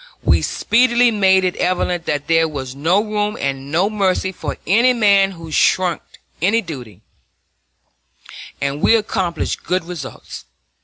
We speedily made it evident that there was no room and no mercy for any man who shirked any duty, and we accomplished good results.